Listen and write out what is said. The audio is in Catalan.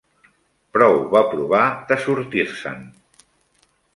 Prou va provar de sortir-se'n